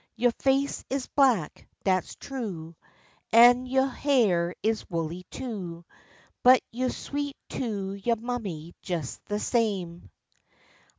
Yo' face is black, dat's true, An' yo' hair is woolly, too, But, you's sweet to yo' mammy jes de same.